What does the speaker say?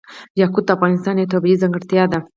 یاقوت د افغانستان یوه طبیعي ځانګړتیا ده.